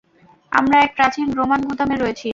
আমরা এক প্রাচীন রোমান গুদামে রয়েছি।